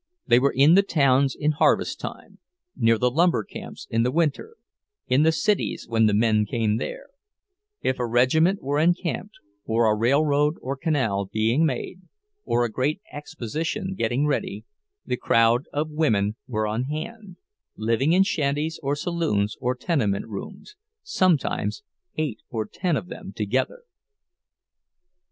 They were in the towns in harvest time, near the lumber camps in the winter, in the cities when the men came there; if a regiment were encamped, or a railroad or canal being made, or a great exposition getting ready, the crowd of women were on hand, living in shanties or saloons or tenement rooms, sometimes eight or ten of them together.